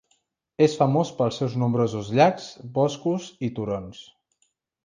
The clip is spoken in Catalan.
És famós pels seus nombrosos llacs, boscos i turons.